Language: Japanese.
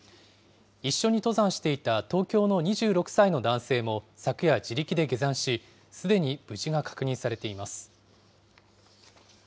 一緒に登山していた東京の２６歳の男性も昨夜自力で下山し、すでに無事が確認されています。